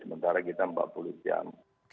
sementara kita empat puluh jam